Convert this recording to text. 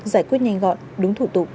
giải quyết nhanh gọn đúng thủ tục